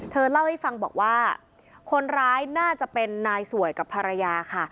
เธอเล่าให้ฟังบอกว่าคนร้ายน่าจะเป็นนายสวยกับภรรยาค่ะ